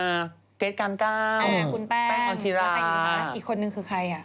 ไม่มีอีกครับอีกคนหนึ่งคือใคร